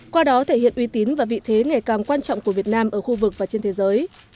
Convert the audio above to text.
qua đó thể hiện uy tín và vị thế ngày càng quan trọng của việt nam ở khu vực và trên thế giới